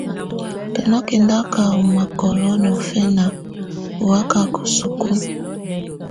Tù nà kɛndaka ɔ́ mákɔ́lɔ niɔ̀fɛna ɔ́ wakaka isukulu.